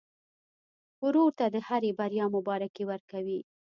ورور ته د هرې بریا مبارکي ورکوې.